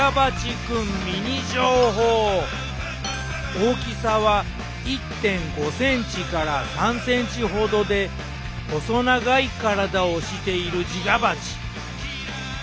大きさは１．５ｃｍから３ｃｍほどで細長い体をしているジガバチ。